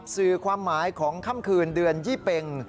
สื่อความหมายของค่ำคืนเดือนยี่เป็ง